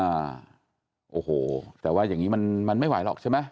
โอ้โหแต่ว่าอย่างนี้มันมันไม่ไหวหรอกใช่ไหม